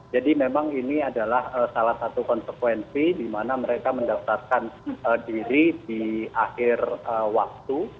jadi memang ini adalah salah satu konsekuensi di mana mereka mendapatkan diri di akhir waktu